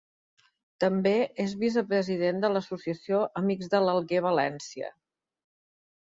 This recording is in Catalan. També és vicepresident de l'Associació Amics de l'Alguer València.